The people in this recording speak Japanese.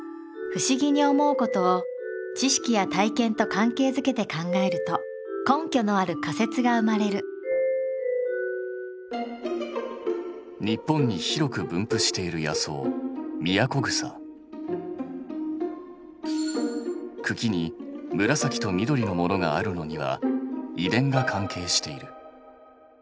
不思議に思うことを知識や体験と関係づけて考えると根拠のある仮説が生まれる日本に広く分布している野草茎に紫と緑のものがあるのには遺伝が関係している。